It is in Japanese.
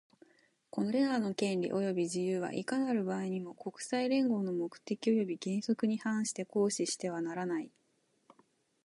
これらの権利及び自由は、いかなる場合にも、国際連合の目的及び原則に反して行使してはならない。